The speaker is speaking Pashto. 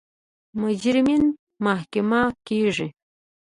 مجرمین محاکمه کیږي.